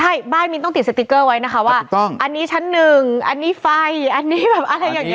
ใช่บ้านมินต้องติดสติ๊กเกอร์ไว้นะคะว่าต้องอันนี้ชั้นหนึ่งอันนี้ไฟอันนี้แบบอะไรอย่างนี้